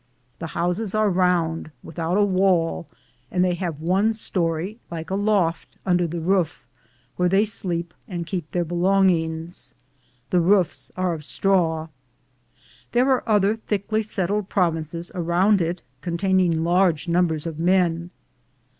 The houses are round, without a wall, and they have one story like a loft, under tiie roof, where they sleep and keep their belong ings. The roofs are of straw. There are other thickly settled provinces around it con taining large numbers of men.